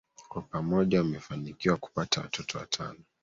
Kwa pamoja wamefanikiwa kupata watoto watano